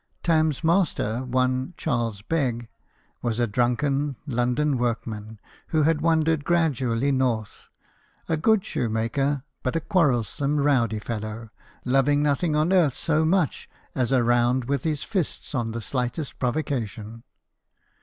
Tarn's master, one Charles Begg, was a drunken London workman, who had wandered gradually north ; a good shoemaker, but a quarrelsome, rowdy fellow, loving nothing on earth so much as a round with his fists on the slightest pro vocation.